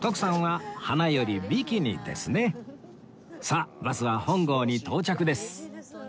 さあバスは本郷に到着です